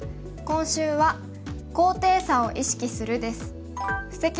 今週は「高低差を意識する」です。